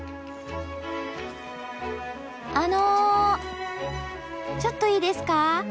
あのちょっといいですか？